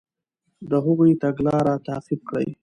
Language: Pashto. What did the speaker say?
د هغوی تګلارې تعقیب کړئ.